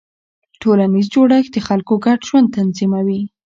ټولنیز جوړښت د خلکو ګډ ژوند تنظیموي.